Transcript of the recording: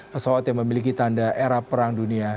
pesawat yang memiliki tanda era perang dunia